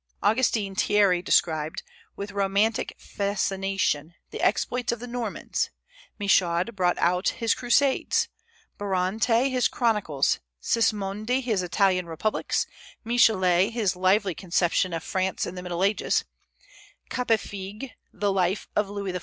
Augustin Thierry described, with romantic fascination, the exploits of the Normans; Michaud brought out his Crusades, Barante his Chronicles, Sismondi his Italian Republics, Michelet his lively conception of France in the Middle Ages, Capefigue the Life of Louis XIV.